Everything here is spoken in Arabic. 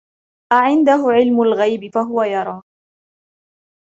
أَعِندَهُ عِلْمُ الْغَيْبِ فَهُوَ يَرَى